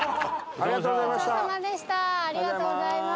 ありがとうございます。